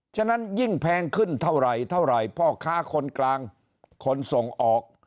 ฉะนั้นยิ่งแพงขึ้นเท่าไหร่เท่าไหร่พ่อค้าคนกลางคนส่งออก